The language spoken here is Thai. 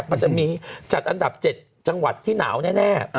มันจะมีจัดอันดับ๗จังหวัดที่หนาวแน่